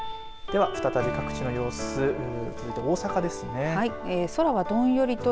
では、再び各地の様子大阪ですね。